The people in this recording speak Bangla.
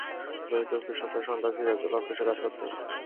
দরিদ্র কৃষকের সন্তান সিরাজুল হক কৃষিকাজ করতেন।